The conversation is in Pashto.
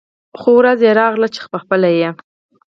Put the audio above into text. خو ورځ يې راغله چې خپله یې